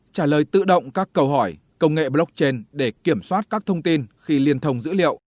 trả lời tự động các câu hỏi công nghệ blockchain để kiểm soát các thông tin khi liên thông dữ liệu